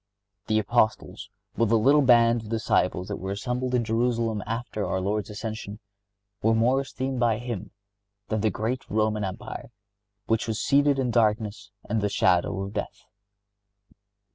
The Apostles with the little band of disciples that were assembled in Jerusalem after our Lord's ascension, were more esteemed by Him than the great Roman Empire, which was seated in darkness and the shadow of death.